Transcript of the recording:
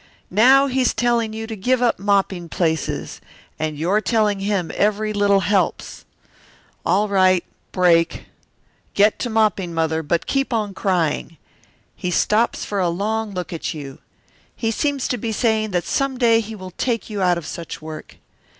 Now he's telling you to give up mopping places, and you're telling him every little helps. "All right, break. Get to mopping, Mother, but keep on crying. He stops for a long look at you. He seems to be saying that some day he will take you out of such work.